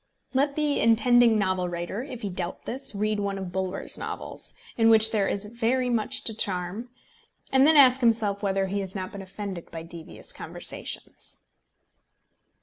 Let the intending novel writer, if he doubt this, read one of Bulwer's novels, in which there is very much to charm, and then ask himself whether he has not been offended by devious conversations.